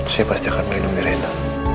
saya pasti akan melindungi rena